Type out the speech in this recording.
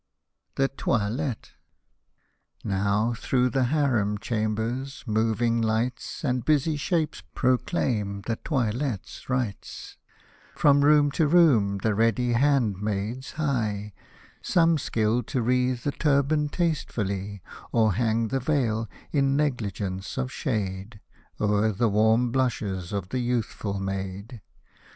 THE TOILETTE Now, through the Harem chambers, moving lights And busy shapes proclaim the toilet's rites ;— From room to room the ready handmaids hie, Some skilled to wreath the turban tastefully, Or hang the veil, in negligence of shade, O'er the warm blushes of the youthful maid.